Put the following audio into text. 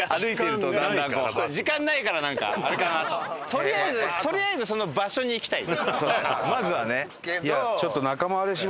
とりあえずとりあえずその場所に行きたい。